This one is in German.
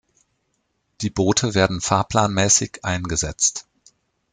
Die Boote werden fahrplanmäßig eingesetzt.